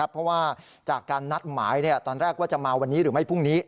เพราะว่าจากการนัดหมายตอนแรกว่าจะมาวันนี้หรือไม่พรุ่งนี้